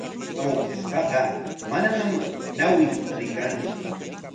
Awkishpaqa manañam ñawin rikantsu.